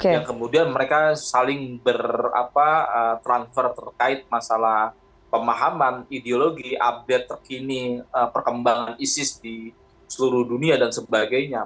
yang kemudian mereka saling bertransfer terkait masalah pemahaman ideologi update terkini perkembangan isis di seluruh dunia dan sebagainya